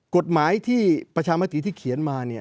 กฎหมายที่ประชามติที่เขียนมา